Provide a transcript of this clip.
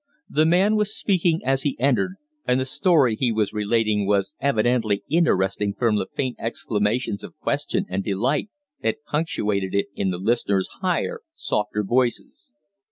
The man was speaking as he entered, and the story he was relating was evidently interesting from the faint exclamations of question and delight that punctuated it in the listeners' higher, softer voices.